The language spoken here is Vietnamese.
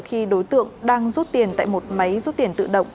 khi đối tượng đang rút tiền tại một máy rút tiền tự động